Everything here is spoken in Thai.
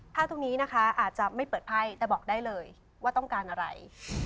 ตรงนี้นะคะอาจจะไม่เปิดไพ่แต่บอกได้เลยว่าต้องการอะไร